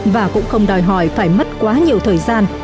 và cũng không đòi hỏi phải mất quá nhiều thời gian